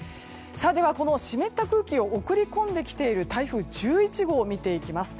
この湿った空気を送り込んできている台風１１号見ていきます。